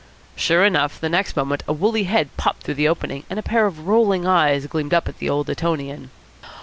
Sure enough, the next moment a woolly head popped through the opening, and a pair of rolling eyes gleamed up at the old Etonian.